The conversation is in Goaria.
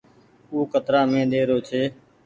او ڪترآ مي ۮيرو ڇي۔